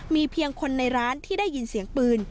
มีเพียงคนในร้านที่ได้ยินเสียงปืน